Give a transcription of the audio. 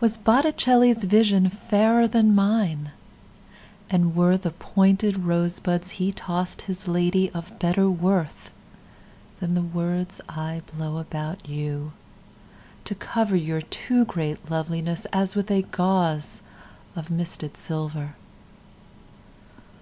Was Botticelli's visionFairer than mine; And were the pointed rosebudsHe tossed his ladyOf better worthThan the words I blow about youTo cover your too great lovelinessAs with a gauzeOf misted silver?